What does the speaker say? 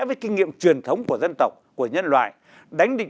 với kinh nghiệm truyền thống của dân tộc của nhân loại